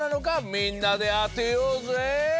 みんなであてよぜ！